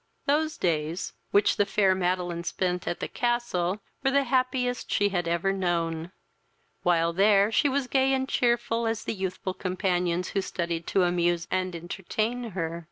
Those days, which the fair Madeline spent at the castle, were the happiest she had ever known; while there, she was gay and cheerful as the youthful companions who studied to amuse and entertain her.